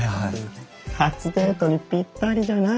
初デートにぴったりじゃない？